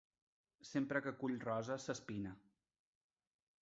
Sempre que cull roses, s'espina.